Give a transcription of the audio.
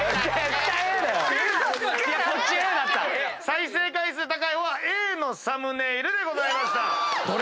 再生回数高いのはＡのサムネイルでございました。